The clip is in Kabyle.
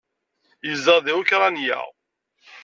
Yezdeɣ deg Ukṛanya.